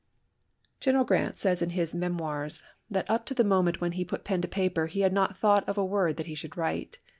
General Grant says in nis " Memoirs " that up to the moment when he put pen to paper he had not thought of a word that he should write.